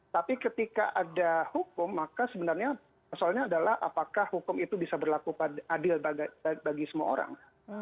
tapi ketika ada hukum maka sebenarnya soalnya adalah apakah hukum itu bisa berlaku adil bagi semua orang